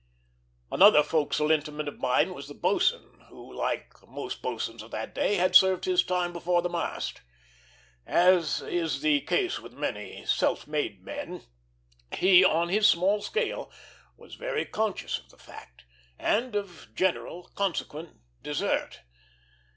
Another forecastle intimate of mine was the boatswain, who, like most boatswains of that day, had served his time before the mast. As is the case with many self made men, he, on his small scale, was very conscious of the fact, and of general consequent desert.